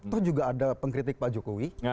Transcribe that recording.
toh juga ada pengkritik pak jokowi